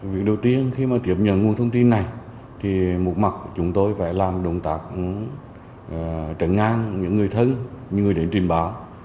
việc đầu tiên khi mà tiếp nhận nguồn thông tin này thì một mặt chúng tôi phải làm động tác chấn ngang những người thân những người đến trình báo